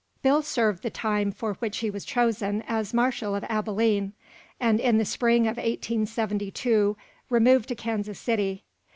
Bill served the time for which he was chosen as marshal of Abilene, and in the spring of 1872 removed to Kansas City.